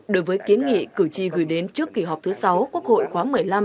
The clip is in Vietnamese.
đối với kiến nghị cử tri gửi đến trước kỳ họp thứ sáu quốc hội khóa một mươi năm